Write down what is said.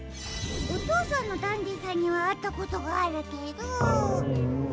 おとうさんのダンディさんにはあったことがあるけど。